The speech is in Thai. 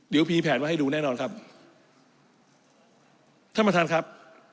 เดี๋ยวพีแผนไว้ให้ดูแน่นอนครับท่านประธานครับ